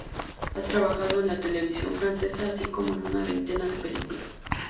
Ha trabajado en la televisión francesa, así como en una veintena de películas.